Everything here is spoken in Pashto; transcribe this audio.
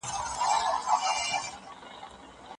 دی، له نسبي توپیرونو سره. د ځواکمنو هيوادونو او